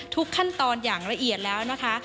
ทุกขั้นตอนอย่างละเอียดแล้วนะคะ